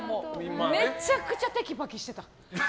めちゃくちゃテキパキしてた。